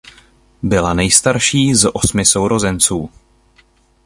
Byla nejstarší z osmi sourozenců.